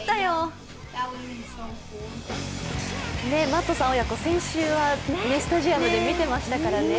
マットさん親子、先週はスタジアムで見てましたからね。